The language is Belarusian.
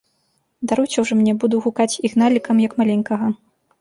Даруйце ўжо мне, буду гукаць Ігналікам, як маленькага.